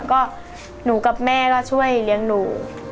ก็หนูกับแม่ก็ช่วยเลี้ยงหนู